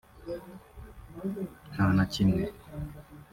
nta na kimwe